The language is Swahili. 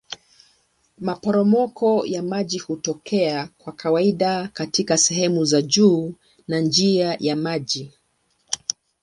Maporomoko ya maji hutokea kwa kawaida katika sehemu za juu ya njia ya mto.